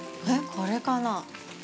これかなぁ。